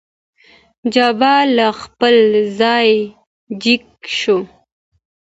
جبار له خپل ځايه جګ شو.